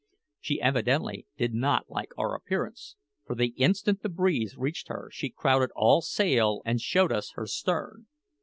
She evidently did not like our appearance, for the instant the breeze reached her she crowded all sail and showed us her stern.